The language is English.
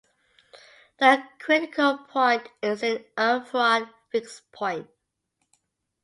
The critical point is an infrared fixed point.